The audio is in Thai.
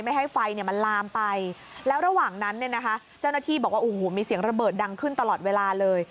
ให้ไฟมันลามไปแล้วระหว่างนั้นเนี่ยนะคะเจ้าหน้าที่บอกว่าโอ้โหมีเสียงระเบิดดังขึ้นตลอดเวลาเลย